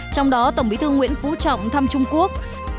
trong đó tổng bí thư nguyễn phú trọng thăm trung quốc